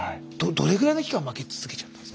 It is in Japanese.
どれぐらいの期間負け続けちゃったんですか。